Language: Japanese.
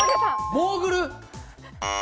モーグル。